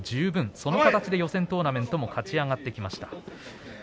その形で予選トーナメントを勝ち上がってきました。